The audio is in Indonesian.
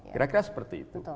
kira kira seperti itu